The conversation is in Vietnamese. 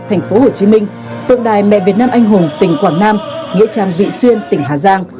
thành phố hồ chí minh tượng đài mẹ việt nam anh hùng tỉnh quảng nam nghĩa trang vị xuyên tỉnh hà giang